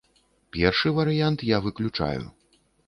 Першы варыянт я выключаю.